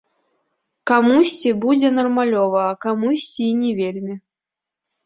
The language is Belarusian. Камусьці будзе нармалёва, а камусьці і не вельмі.